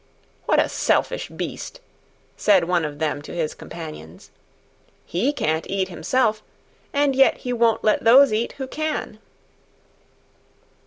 "What a selfish beast," said one of them to his companions; "he can't eat himself and yet he won't let those eat who can."